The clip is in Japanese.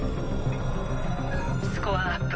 スコアアップ。